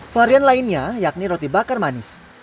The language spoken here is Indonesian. varian lainnya yakni roti bakar manis